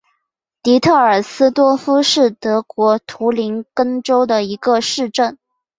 迪特尔斯多夫是德国图林根州的一个市镇。